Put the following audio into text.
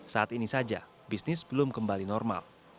saat ini saja bisnis belum kembali normal